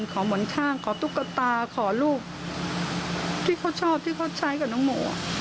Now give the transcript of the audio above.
เหมือนข้างขอตุ๊กตาขอลูกที่เขาชอบที่เขาใช้กับน้องโม